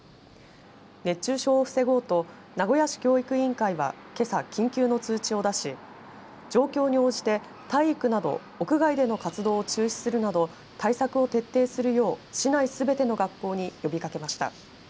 熱中症を防ごうと名古屋市教育委員会はけさ緊急の通知を出し状況に応じて体育など屋外での活動を中止するなど対策を徹底するよう市内すべての学校に呼びかけました。